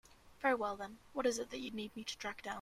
Very well then, what is it that you need me to track down?